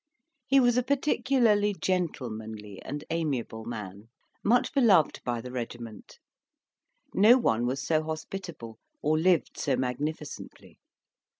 He was a particularly gentlemanly and amiable man, much beloved by the regiment: no one was so hospitable or lived so magnificently.